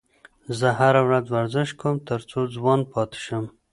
زه هره ورځ ورزش کوم تر څو ځوان پاتې شم.